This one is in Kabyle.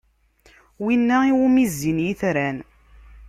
Wina iwumi zzin itran.